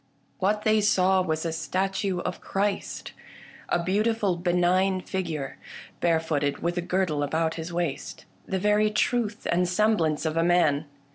What they saw was a statue of Christ, a beautiful be nign figure ; barefooted, with a girdle about his waist : the very truth and semblance of a man.